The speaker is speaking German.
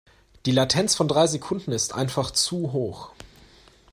Die Latenz von drei Sekunden ist einfach zu hoch.